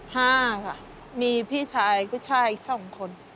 ๕ค่ะมีพี่ชายก็ชายอีก๒คน